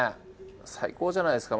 最高じゃないですか。